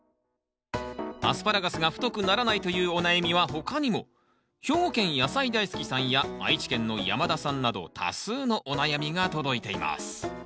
アスパラガスが太くならないというお悩みは他にも兵庫県野菜大好きさんや愛知県の山田さんなど多数のお悩みが届いています